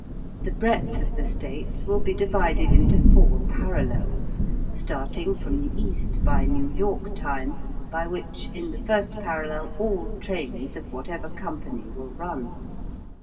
The breadth of the States will be divided into four parallels, starting from the east by New York time, by which in the first parallel all trains of whatever company will run.